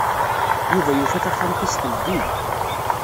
Yuba yufa taxxamt-is teldi.